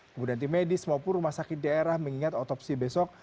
kemudian tim medis maupun rumah sakit daerah mengingat otopsi besok